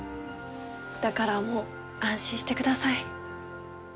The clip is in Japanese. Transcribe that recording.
だからもう安心してください。